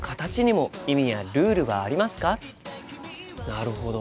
なるほど。